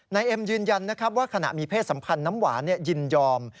เอ็มยืนยันนะครับว่าขณะมีเพศสัมพันธ์น้ำหวานยินยอม